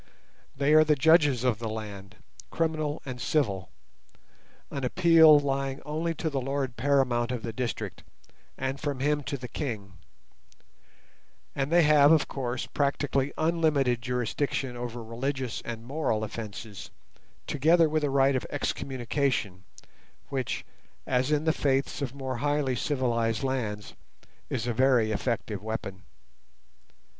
They are the judges of the land, criminal and civil, an appeal lying only to the lord paramount of the district, and from him to the king; and they have, of course, practically unlimited jurisdiction over religious and moral offences, together with a right of excommunication, which, as in the faiths of more highly civilized lands, is a very effective weapon.